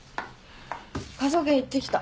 科捜研行ってきた。